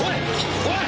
おい！